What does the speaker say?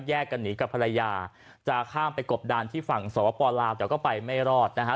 กันหนีกับภรรยาจะข้ามไปกบดานที่ฝั่งสปลาวแต่ก็ไปไม่รอดนะฮะ